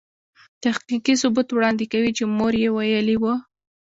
تحقیقي ثبوت وړاندې کوي چې مور يې ویلې وه.